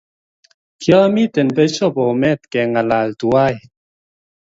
Kiamiten pesho bomet kengalalak tuan